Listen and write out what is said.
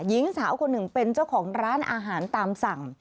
หญิงสาวคนหนึ่งเป็นเจ้าของร้านอาหารตามสั่ง